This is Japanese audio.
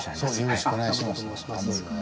よろしくお願いします。